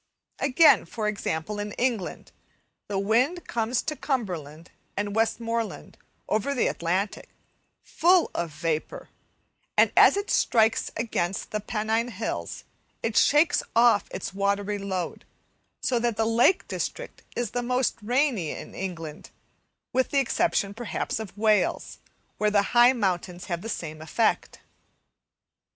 Again for example in England, the wind comes to Cumberland and Westmorland over the Atlantic, full of vapour, and as it strikes against the Pennine Hills it shakes off its watery load; so that the lake district is the most rainy in England, with the exception perhaps of Wales, where the high mountains have the same effect.